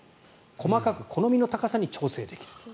細かく好みの高さに調整できる。